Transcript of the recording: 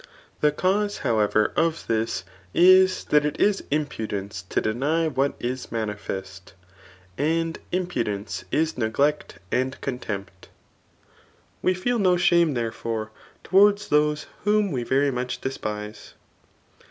The cause, however, of this is that it is impudence to deny n^at is manifest ; and impudence is neglect and contempt We feel no shame, therefore, towards those whom we yery much despise.